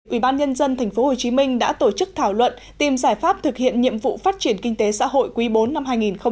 ubnd tp hcm đã tổ chức thảo luận tìm giải pháp thực hiện nhiệm vụ phát triển kinh tế xã hội quý bốn năm hai nghìn một mươi chín